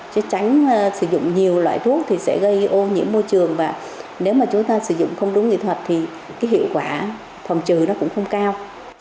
chứ tránh sử dụng nhiều loại thuốc thì sẽ gây ô nhiễm môi trường và nếu mà chúng ta sử dụng không đúng nghị thuật thì cái hiệu quả phòng trừ nó cũng không cao